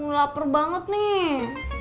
laper banget nih